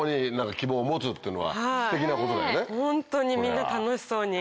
ホントにみんな楽しそうに。